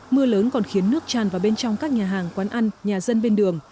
mưa lớn còn khiến nước tràn vào bên trong các nhà hàng quán ăn nhà dân bên đường